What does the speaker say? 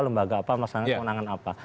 lembaga apa masalah kewenangan apa